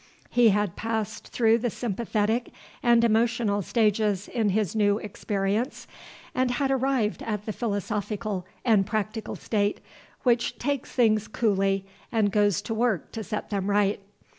He had passed through the sympathetic and emotional stages in his new experience, and had arrived at the philosophical and practical state, which takes things coolly, and goes to work to set them right.